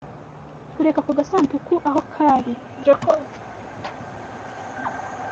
Kureka ako gasanduku aho kari. (jakov)